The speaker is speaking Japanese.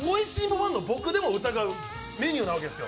ファンの僕でも疑うメニューなわけです。